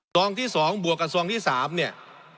ซองที่๒บวกกับซองที่๓เนี่ย